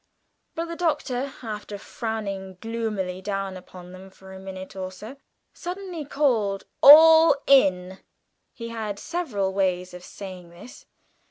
But the Doctor, after frowning gloomily down upon them for a minute or so, suddenly called "All in!" He had several ways of saying this.